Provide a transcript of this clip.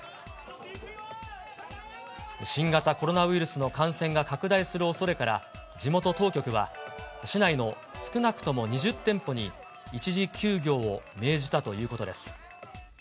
新型コロナウイルスの感染が拡大するおそれから、地元当局は、市内の少なくとも２０店舗に、一時休業を命じたということです。